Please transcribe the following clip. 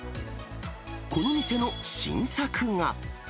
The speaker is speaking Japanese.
この店の新作が。